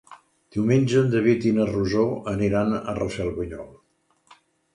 Diumenge en David i na Rosó aniran a Rafelbunyol.